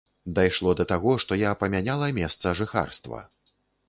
Дайшло да таго, што я памяняла месца жыхарства.